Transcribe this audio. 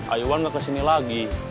ayuan gak kesini lagi